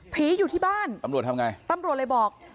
อยู่ที่บ้านตำรวจทำไงตำรวจเลยบอก